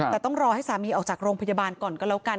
แต่ต้องรอให้สามีออกจากโรงพยาบาลก่อนก็แล้วกัน